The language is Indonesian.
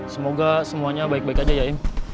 semoga semuanya baik baik aja ya